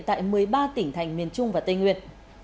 tại một mươi ba tỉnh thành miền trung và tây nguyên